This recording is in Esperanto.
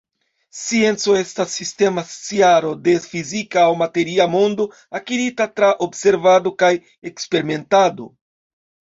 Scienco estas sistema sciaro de fizika aŭ materia mondo akirita tra observado kaj eksperimentado.